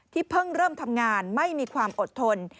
เพิ่งเริ่มทำงานไม่มีความอดทน